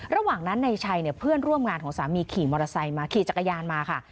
ระหว่างนั้นในชัยเนี่ยเพื่อนร่วมงานของสามีขี่มอเตอร์ไซค์มาขี่จักรยานมาค่ะ